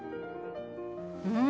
うん！